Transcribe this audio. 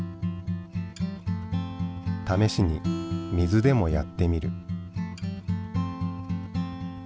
ためしに水でもやってみる。